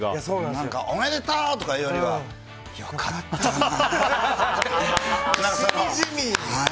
おめでとう！というよりはよかったってしみじみ。